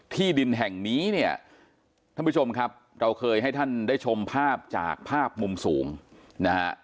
ที่ดินแห่งนี้เนี่ยท่านผู้ชมครับเราเคยให้ท่านได้ชมภาพจากภาพมุมสูงนะฮะ